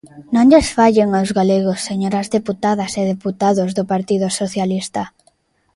Non lles fallen aos galegos, señoras deputadas e deputados do Partido Socialista.